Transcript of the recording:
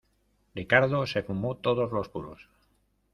Ricardo se fumó todos los puros.